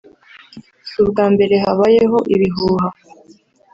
“Si ubwa mbere habayeho ibihuha